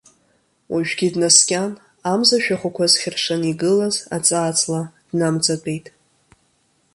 Уажәгьы днаскьан, амза ашәахәақәа зхьыршаны игылаз аҵаа-ҵла днамҵатәеит.